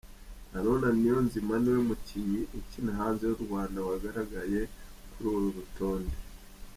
Haruna Niyonzima niwe mukinnnyi ukina hanze y’u Rwanda wagaragaye kuri uru rutonde.